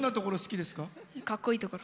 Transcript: かっこいいところ。